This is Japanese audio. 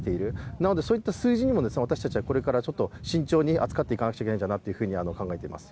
なのでそういった数字にも私たちはこれから慎重に扱っていかなくちゃいけないなと考えています